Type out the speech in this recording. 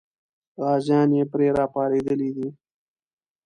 غازیان یې پرې راپارېدلي دي.